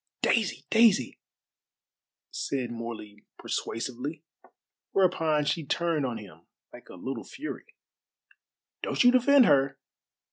"Daisy! Daisy!" said Morley persuasively, whereupon she turned on him like a little fury. "Don't you defend her.